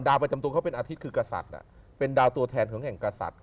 ประจำตัวเขาเป็นอาทิตย์คือกษัตริย์เป็นดาวตัวแทนของแห่งกษัตริย